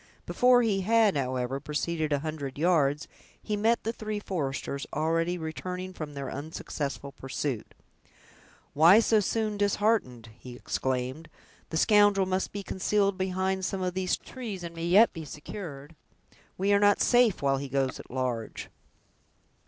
Before he had, however, proceeded a hundred yards, he met the three foresters already returning from their unsuccessful pursuit. "Why so soon disheartened!" he exclaimed; "the scoundrel must be concealed behind some of these trees, and may yet be secured. We are not safe while he goes at large."